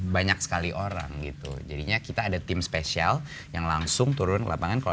banyak sekali orang gitu jadinya kita ada tim spesial yang langsung turun ke lapangan kalau